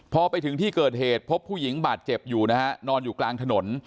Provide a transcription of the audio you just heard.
พอไปถึงที่เกิดเหตุพบผู้หญิงบาดเจ็บอยู่นะฮะนอนอยู่กลางถนน